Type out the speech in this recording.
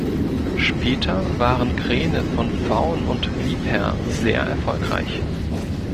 Später waren Kräne von Faun und Liebherr sehr erfolgreich.